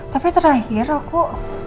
tapi terakhir aku